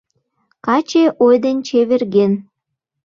Каче ой ден чеверген.